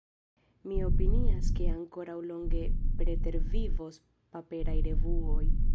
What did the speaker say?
Mi opinias ke ankoraŭ longe pretervivos paperaj revuoj.